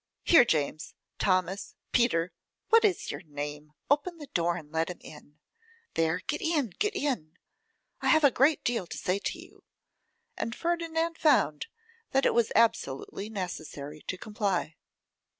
Here, James, Thomas, Peter, what is your name, open the door and let him in. There get in, get in; I have a great deal to say to you.' And Ferdinand found that it was absolutely necessary to comply.